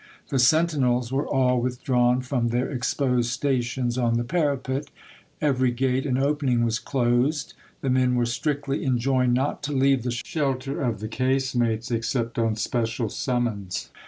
The sentinels were all withdrawn from their exposed stations on the parapet ; every gate and opening was closed ; the men were strictly enjoined not to leave the shelter of the casemates except on special summons.